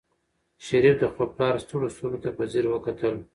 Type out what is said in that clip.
شریف د خپل پلار ستړو سترګو ته په ځیر وکتل.